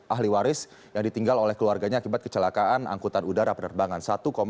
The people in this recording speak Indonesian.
ahli waris yang ditinggal oleh keluarganya akibat kecelakaan angkutan udara penerbangan